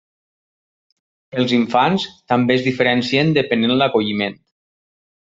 Els infants també es diferencien depenent l'acolliment.